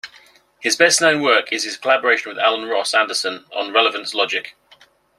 His best-known work is his collaboration with Alan Ross Anderson on relevance logic.